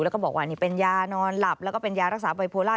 แล้วก็บอกว่านี่เป็นยานอนหลับแล้วก็เป็นยารักษาไบโพล่า